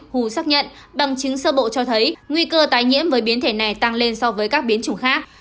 hù xác nhận bằng chứng sơ bộ cho thấy nguy cơ tái nhiễm với biến thể này tăng lên so với các biến chủng khác